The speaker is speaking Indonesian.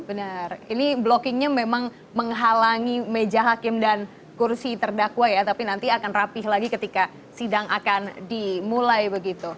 benar ini blockingnya memang menghalangi meja hakim dan kursi terdakwa ya tapi nanti akan rapih lagi ketika sidang akan dimulai begitu